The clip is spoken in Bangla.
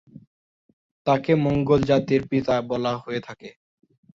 তাকে মঙ্গোল জাতির পিতা বলা হয়ে থাকে।